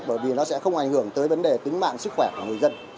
bởi vì nó sẽ không ảnh hưởng tới vấn đề tính mạng sức khỏe của người dân